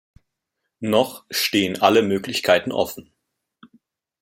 Noch stehen alle Möglichkeiten offen.